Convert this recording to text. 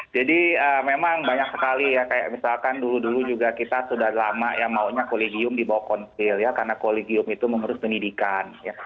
jadi memang banyak sekali ya kayak misalkan dulu dulu juga kita sudah lama ya maunya kolegium di bawah konsil ya karena kolegium itu mengurus pendidikan ya